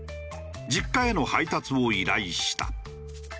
実家への配達を依頼した。